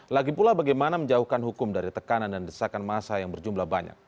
lagi pula bagaimana menjauhkan hukum dari tekanan dan desakan masa yang berjumlah banyak